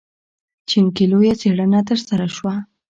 چین کې لویه څېړنه ترسره شوه.